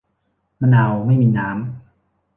มะนาวไม่มีน้ำ